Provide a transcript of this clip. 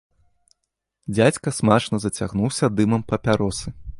Дзядзька смачна зацягнуўся дымам папяросы.